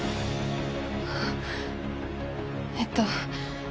えっと